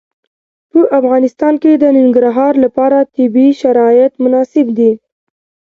په افغانستان کې د ننګرهار لپاره طبیعي شرایط مناسب دي.